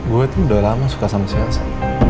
gue tuh udah lama suka sama si elsa